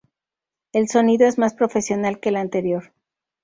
El sonido es más profesional que el anterior.